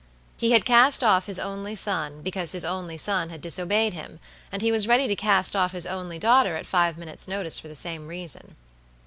He had cast off his only son because his only son had disobeyed him, and he was ready to cast off his only daughter at five minutes' notice for the same reason.